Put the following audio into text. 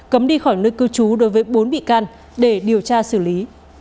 cấm đi khỏi nơi cư trú đối với bốn bị can để điều tra xử lý